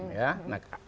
atau aspek aspek yang lain